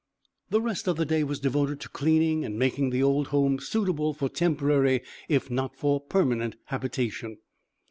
The rest of the day was devoted to cleaning and making the old home suitable for temporary if not for permanent habitation.